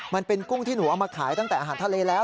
กุ้งที่หนูเอามาขายตั้งแต่อาหารทะเลแล้ว